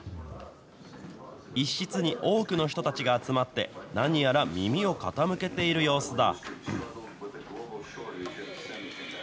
一室に多くの人たちが集まって、何やら耳を傾けている様子だ。